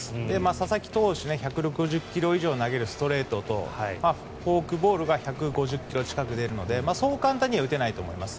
佐々木投手１６０ｋｍ以上投げるストレートとフォークボールが１５０ｋｍ近く出るのでそう簡単には打てないと思います。